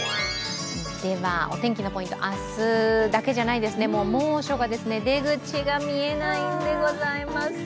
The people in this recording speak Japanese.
ではお天気のポイント、明日だけじゃないですね、猛暑が出口が見えないんでございます。